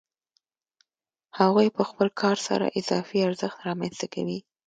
هغوی په خپل کار سره اضافي ارزښت رامنځته کوي